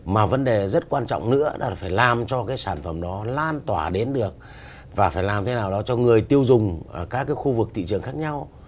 mà vấn đề rất quan trọng nữa là phải làm cho cái sản phẩm đó lan tỏa đến được và phải làm thế nào đó cho người tiêu dùng ở các khu vực thị trường khác nhau